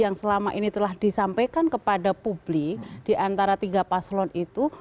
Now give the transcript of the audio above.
yang selama ini telah disampaikan kepada publik di antara tiga paslon itu